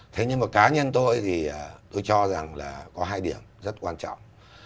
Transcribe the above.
thế nhưng mà cá nhân tôi thì tôi cho rằng là có hai điểm rất quan trọng